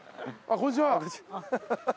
こんにちは。